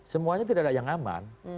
semuanya tidak ada yang aman